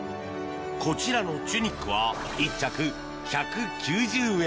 こちらのチュニックは１着、１９０円。